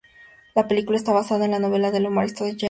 La película está basada en la novela del humorista Jean Shepherd.